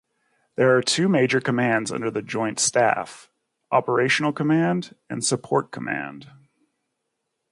There are two major commands under the Joint Staff: Operational Command and Support Command.